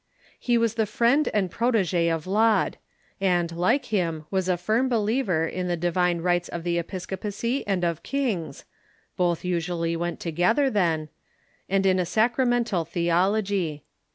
He was the friend and protege of Laud, and, like him, Avas a firm believer in the divine rights of the episcopacy and of kings (both usually went together then), and in a sacramental the ology.